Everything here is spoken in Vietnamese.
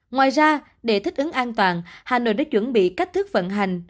ngoài ra để thích ứng an toàn hà nội đã chuẩn bị cách thức vận hành